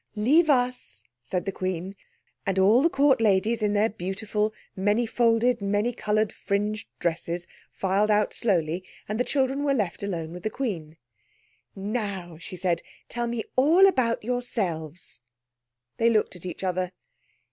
"Leave us," said the Queen. And all the Court ladies, in their beautiful, many folded, many coloured, fringed dresses, filed out slowly, and the children were left alone with the Queen. "Now," she said, "tell me all about yourselves." They looked at each other.